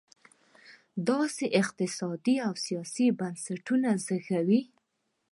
داسې اقتصادي او سیاسي بنسټونه زېږوي.